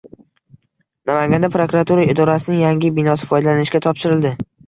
Namanganda prokuratura idorasining yangi binosi foydalanishga topshirildi